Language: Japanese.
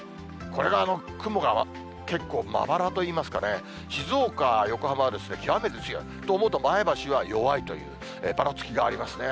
これが雲が結構、まばらといいますかね、静岡、横浜は極めて強い。と思うと前橋は弱いという、ばらつきがありますね。